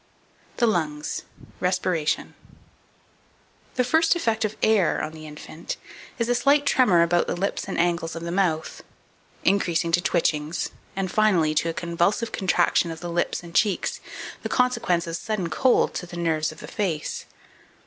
THE LUNGS. RESPIRATION. 2453. The first effect of air on the infant is a slight tremor about the lips and angles of the mouth, increasing to twitchings, and finally to a convulsive contraction of the lips and cheeks, the consequence of sudden cold to the nerves of the face.